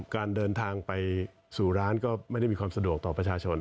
การเดินทางไปสู่ร้านก็ไม่ได้มีความสะดวกต่อประชาชน